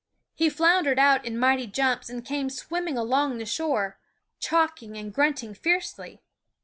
He floundered out in mighty jumps and came swinging along the shore, chocking and grunting fiercely.